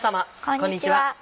こんにちは。